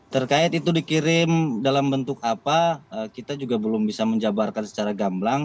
terkait itu dikirim dalam bentuk apa kita juga belum bisa menjabarkan secara gamblang